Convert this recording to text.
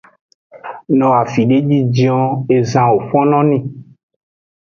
No afide jinjin o, ezan wo fonno nii.